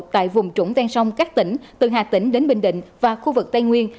tại vùng trũng ven sông các tỉnh từ hà tĩnh đến bình định và khu vực tây nguyên